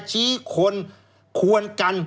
ชี้คนควรกัน